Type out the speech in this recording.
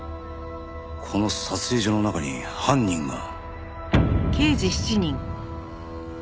この撮影所の中に犯人が。